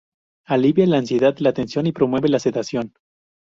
Alivia la ansiedad, la tensión y promueve la sedación.